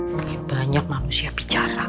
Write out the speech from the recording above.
mungkin banyak manusia bicara